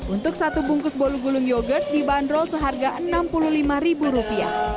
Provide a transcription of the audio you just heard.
untuk satu bungkus bolu gulung yogurt dibanderol seharga rp enam puluh lima